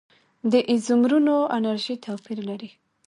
د ایزومرونو انرژي توپیر لري.